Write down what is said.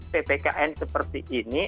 ppkn seperti ini